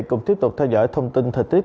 cùng tiếp tục theo dõi thông tin thời tiết